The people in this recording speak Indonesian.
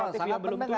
yang belum tuntas